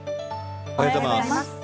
おはようございます。